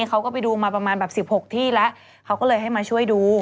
เขาก็ไปดูมาประมาณแบบ๑๖ที่แล้วเขาก็เลยให้มาช่วยดู